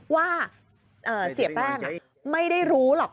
ว่าเสียแป้งไม่ได้รู้หรอก